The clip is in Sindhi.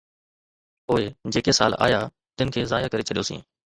پوءِ جيڪي سال آيا، تن کي ضايع ڪري ڇڏيوسين.